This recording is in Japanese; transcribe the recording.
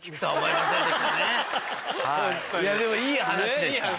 いやでもいい話でした。